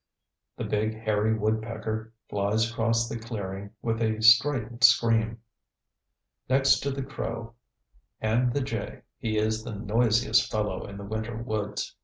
The big hairy woodpecker flies across the clearing with a strident scream. Next to the crow and the jay he is the noisiest fellow in the winter woods.